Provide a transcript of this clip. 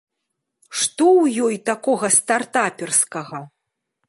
Што ў ёй такога стартаперскага?